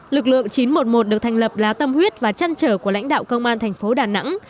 lực lượng chín trăm một mươi một được thành lập là tâm huyết và chăn trở của lãnh đạo công an thành phố đà nẵng